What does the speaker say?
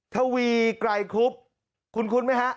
ทวีไกรคุบคุ้นไหมฮะ